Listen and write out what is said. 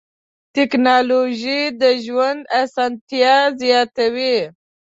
ټکنالوجي د ژوند اسانتیا زیاتوي.